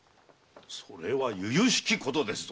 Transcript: それは由々しきことですぞ。